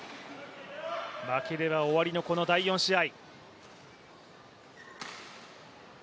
負ければ終わりのこの第４試合。